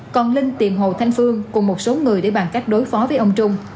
còn linh tìm hồ thanh phương cùng một số người để bàn cách đối phó với ông trung